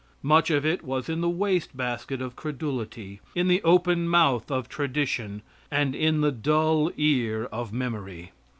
Much of it was in the waste basket of credulity, in the open mouth of tradition, and in the dull ear of memory.